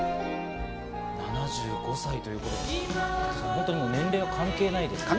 ７５歳ということで、本当に年齢は関係ないですね。